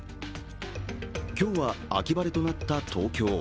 今日は秋晴れとなった東京。